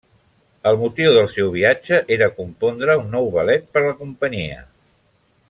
El motiu del seu viatge era compondre un nou ballet per la companyia.